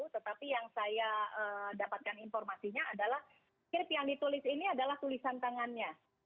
tetapi yang saya dapatkan informasinya adalah krip yang ditulis ini adalah tulisan tangannya